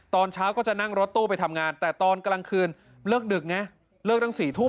ตอนเช้าก็จะนั่งรถตู้ไปทำงานแต่ตอนกลางคืนเลิกดึกไงเลิกตั้ง๔ทุ่ม